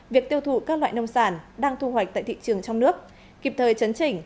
việc tiêu thụ các loại nông sản đang thu hoạch tại thị trường trong nước kịp thời chấn chỉnh